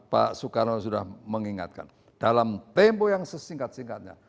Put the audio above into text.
pak soekarno sudah mengingatkan dalam tempo yang sesingkat singkatnya